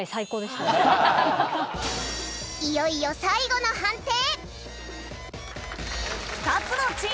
いよいよ最後の判定！